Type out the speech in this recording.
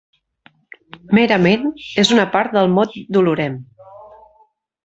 Merament, és una part del mot Dolorem.